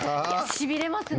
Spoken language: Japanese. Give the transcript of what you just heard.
しびれますね。